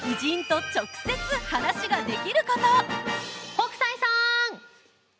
北斎さん！